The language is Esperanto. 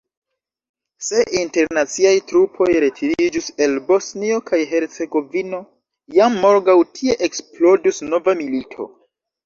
Se internaciaj trupoj retiriĝus el Bosnio kaj Hercegovino, jam morgaŭ tie eksplodus nova milito.